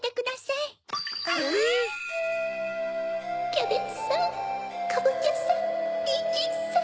キャベツさん